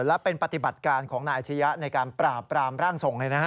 และเป็นปฏิบัติการของนายอาชริยะในการปราบร่างทรงเลยนะฮะ